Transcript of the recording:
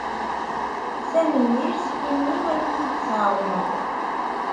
Tanemmirt imi ay iyi-d-tɛawdeḍ.